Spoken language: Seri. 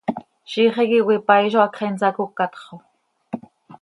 ¡Ziix iiqui cöipaii zo hacx he nsacócatx xo!